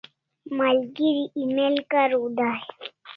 Malgeri email kariu dai e?